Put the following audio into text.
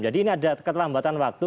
jadi ini ada ketelambatan waktu